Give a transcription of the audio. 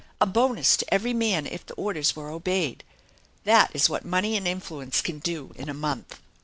A bonus to every man if the orders were obeyed. That is what money and influence can do in a month